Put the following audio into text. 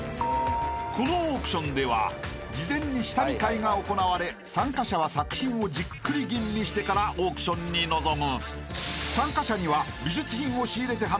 ［このオークションでは事前に下見会が行われ参加者は作品をじっくり吟味してからオークションに臨む］